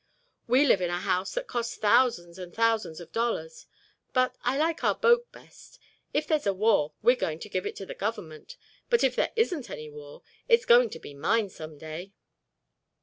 "We live in a house that cost thousands and thousands of dollars, but I like our boat best. If there's a war we're going to give it to the government, but if there isn't any war it's going to be mine some day."